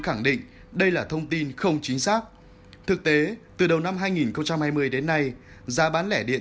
khẳng định đây là thông tin không chính xác thực tế từ đầu năm hai nghìn hai mươi đến nay giá bán lẻ điện